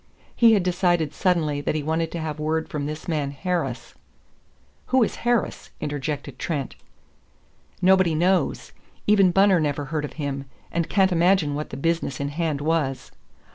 He had decided suddenly that he wanted to have word from this man Harris " "Who is Harris?" interjected Trent. "Nobody knows. Even Bunner never heard of him, and can't imagine what the business in hand was.